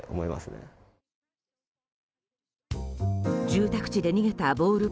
住宅地で逃げたボール